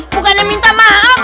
bukan yang minta maaf